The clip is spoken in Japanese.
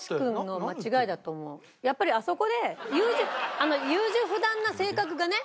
やっぱりあそこで優柔優柔不断な性格がね。